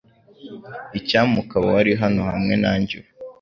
Icyampa ukaba wari hano hamwe nanjye ubu .